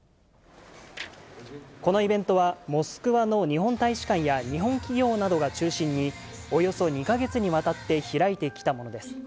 このイベントは、モスクワの日本大使館や日本企業などが中心に、およそ２か月にわたって開いてきたものです。